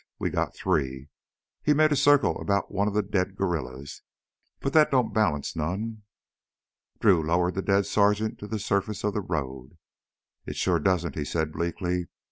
We got three " He made a circle about one of the dead guerrillas "but that don't balance none." Drew lowered the dead sergeant to the surface of the road. "It sure doesn't!" he said bleakly.